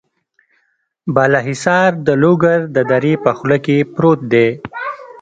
بالا حصار د لوګر د درې په خوله کې پروت دی.